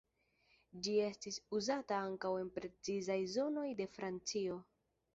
Ĝi estis uzata ankaŭ en precizaj zonoj de Francio.